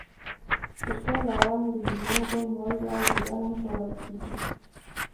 سرکه، لونګ، د لیمو اوبه، مالګه او بوره هم کارول کېږي.